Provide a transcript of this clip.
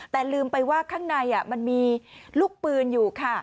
แต่ลืมไปว่าข้างในมันมีลูกปืนอยู่ค่ะ